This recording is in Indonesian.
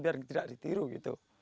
biar tidak ditiru gitu